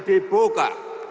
asian game dibuka